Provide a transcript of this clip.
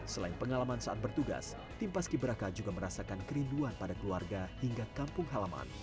selain pengalaman saat bertugas tim paski beraka juga merasakan kerinduan pada keluarga hingga kampung halaman